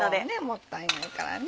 もったいないからね。